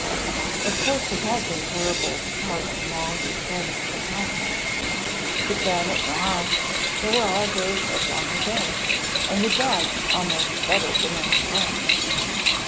Of course it had been terrible to part from your friends at the convent, but then at Nohant there were all those of long ago and the dogs almost better than any friend!